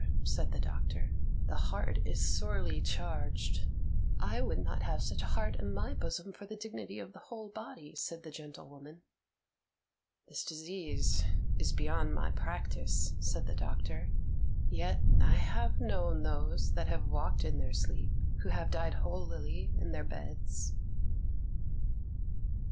said the doctor. "The heart is sorely charged." "I would not have such a heart in my bosom for the dignity of the whole body," said the gentlewoman. "This disease is beyond my practice," said the doctor: "yet I have known those that have walked in their sleep who have died holily in their beds."